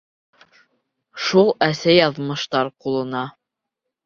Шул әсе яҙмыштар ҡулына.